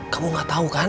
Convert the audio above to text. kamu gak tau kan